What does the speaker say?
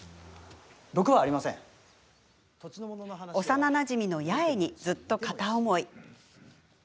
幼なじみの八重にずっと片思い。